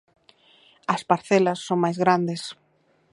As parcelas son máis grandes.